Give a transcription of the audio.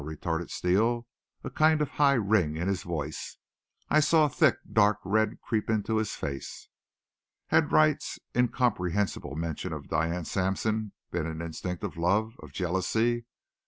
retorted Steele, a kind of high ring in his voice. I saw thick, dark red creep into his face. Had Wright's incomprehensible mention of Diane Sampson been an instinct of love of jealousy?